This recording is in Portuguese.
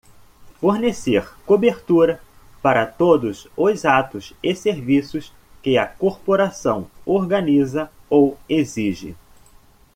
Fornecer cobertura para todos os atos e serviços que a corporação organiza ou exige.